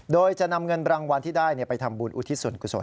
โดยจะนำเงินรางวัลที่ได้ไปทำบุญอุทิศส่วนกุศล